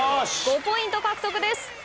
５ポイント獲得です。